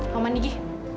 mau mandi gi